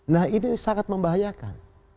nah ini sangat membahayakan